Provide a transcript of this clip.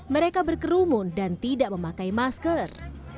mereka berkerumun dan tidak memakai masker